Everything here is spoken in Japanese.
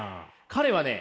彼はね